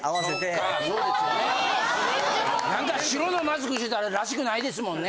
・カワイイ・なんか白のマスクしてたららしくないですもんね。